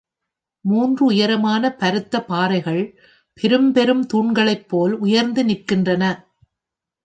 மூன்று உயரமான பருத்த பாறைகள் பெரும் பெரும் தூண்களைப்போல் உயர்ந்து நிற்கின்றன.